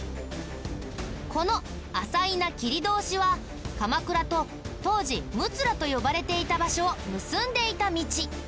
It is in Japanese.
この朝夷奈切通は鎌倉と当時「むつら」と呼ばれていた場所を結んでいた道。